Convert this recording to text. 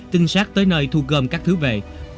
tinh sát tới nơi thu gom các thứ về